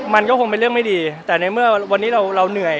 มันก็คงเป็นเรื่องไม่ดีแต่ในเมื่อวันนี้เราเหนื่อย